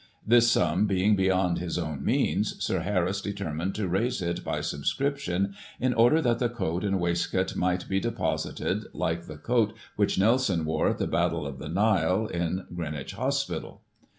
This sum being beyond his own means, Sir Harris determined to raise it by subscription, in order that the coat and waistcoat might be deposited, like the coat which Nelson wore at the battle of the Nile, in Greenwich Hospital.